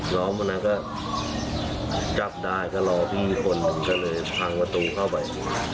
น้องคนนั้นก็จับได้ก็รอพี่คนหนึ่งก็เลยพังประตูเข้าไป